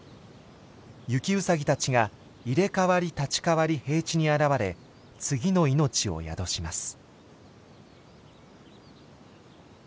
ユキウサギたちが入れ代わり立ち代わり平地に現れ次の命を宿します。